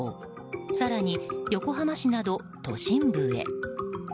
更に横浜市など都心部へ。